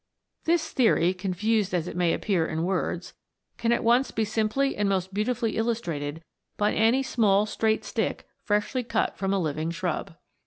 This theory, confused as it may appear in words, can at once be simply and most beautifully illus trated by any small straight stick freshly cut from a living shrub.